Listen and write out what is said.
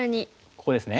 ここですね？